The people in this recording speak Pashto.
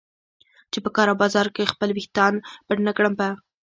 چې په کار او بازار کې خپل ویښتان پټ نه کړم. په